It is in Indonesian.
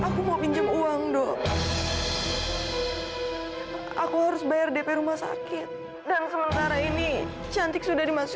kamu juga kena gejala hipertensi kamu mau